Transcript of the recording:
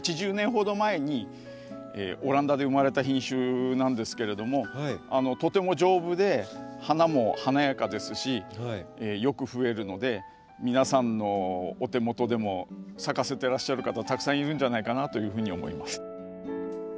８０年ほど前にオランダで生まれた品種なんですけれどもとても丈夫で花も華やかですしよくふえるので皆さんのお手元でも咲かせてらっしゃる方たくさんいるんじゃないかなというふうに思います。